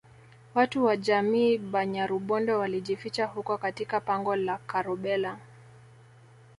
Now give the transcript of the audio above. Watu wa jamii ya Banyarubondo walijificha huko katika pango la Karobhela